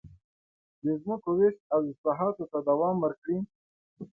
د ځمکو وېش او اصلاحاتو ته دوام ورکړي.